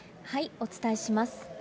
お伝えします。